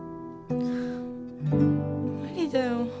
無理だよ。